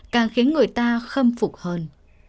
càng khiến người ta khâm phục hơn